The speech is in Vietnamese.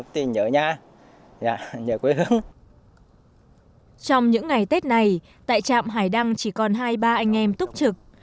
trong những ngày tết này tại trạm hải đăng chỉ còn hai ba anh em túc trực